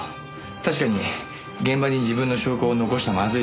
確かに現場に自分の証拠を残しちゃまずいですもんね。